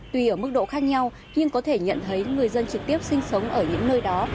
tuy ở mức độ khác nhau nhưng có thể nhận thấy người dân trực tiếp sinh sống ở những nơi đó